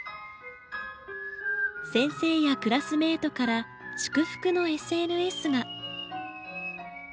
先生やクラスメートから祝福のＳＮＳが。